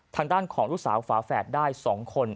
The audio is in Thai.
ทางด้านของลูกสาวฝาแฝดได้๒คน